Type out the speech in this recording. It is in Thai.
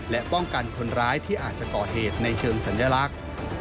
และป้องกันคนร้ายที่อาจจะก่อเหตุในเชิงสัญลักษณ์